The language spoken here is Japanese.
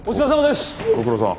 ご苦労さん。